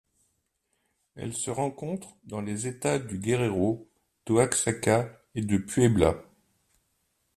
Elles se rencontrent dans les États du Guerrero, d'Oaxaca et de Puebla.